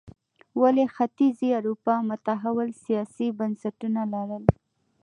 ولې ختیځې اروپا متحول سیاسي بنسټونه لرل.